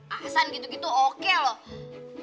ahsan gitu gitu oke loh